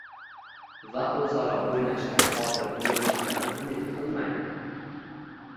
va o‘zaro o‘ynashga qodir bo‘lishidan umid qilmang.